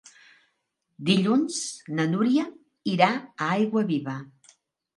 Dilluns na Núria irà a Aiguaviva.